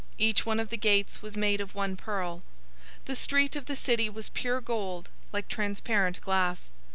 Each one of the gates was made of one pearl. The street of the city was pure gold, like transparent glass.